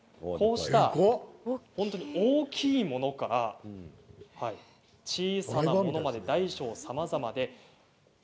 大きいものから小さなものまで大小さまざまで。